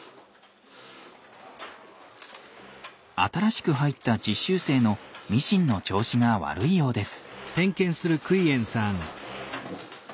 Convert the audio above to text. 新しく入った実習生のミシンの調子が悪いようです。